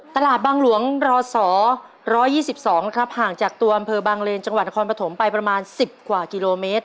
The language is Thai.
ตลาดบางหลวงรศ๑๒๒นะครับห่างจากตัวอำเภอบางเลนจังหวัดนครปฐมไปประมาณ๑๐กว่ากิโลเมตร